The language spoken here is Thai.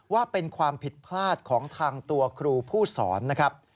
ว่าเป็นความผิดพลาดของทางตัวครูผู้สอนนะครับ